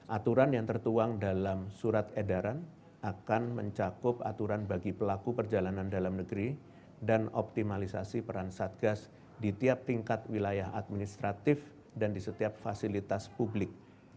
aturan yang tertuang dalam surat edaran akan mencakup aturan bagi pelaku perjalanan dalam negeri dan optimalisasi peran satgas di tiap tingkat wilayah administratif dan di setiap fasilitas publik